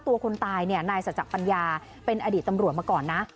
คนตายเนี่ยนายสัจจักรปัญญาเป็นอดีตตำรวจมาก่อนนะ